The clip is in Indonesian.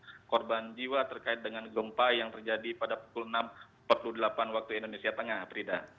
jadi ini adalah kekurangan korban jiwa terkait dengan gempa yang terjadi pada pukul enam empat puluh delapan waktu indonesia tengah prida